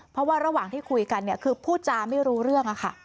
เพราะว่าระหว่างที่คุยกันคือพูดจาไม่รู้เรื่อง